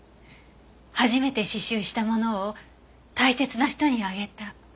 初めて刺繍したものを大切な人にあげた。